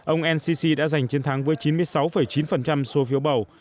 ông el sisi đã giành chiến thắng với chín mươi sáu chín số phiếu bầu